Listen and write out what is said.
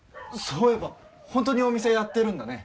そういえば本当にお店やってるんだね。